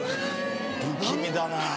不気味だな。